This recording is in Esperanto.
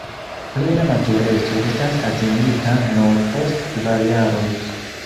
Plena matureco estas atingita nur post kvar jaroj.